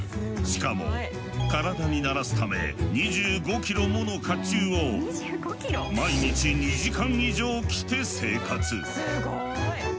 しかも体に慣らすため２５キロもの甲冑を毎日２時間以上着て生活。